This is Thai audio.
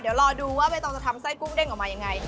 เดี๋ยวรอดูว่าใบตองจะทำไส้กุ้งเด้งออกมายังไง